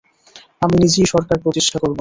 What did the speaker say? আমি নিজেই সরকার প্রতিষ্ঠা করব।